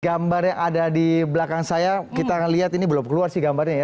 gambar yang ada di belakang saya kita akan lihat ini belum keluar sih gambarnya ya